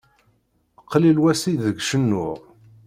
Qlil wass ideg cennuɣ.